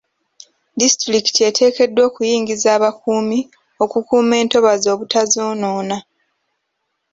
Disitulikiti eteekeddwa okuyingiza abakuumi okukuuma entobazi obutazonoona.